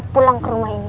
pulang ke rumah ini